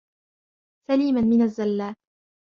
سَلِيمًا مِنْ الزَّلَّاتِ